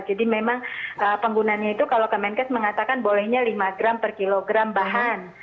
jadi memang penggunaannya itu kalau kemenkes mengatakan bolehnya lima gram per kilogram bahan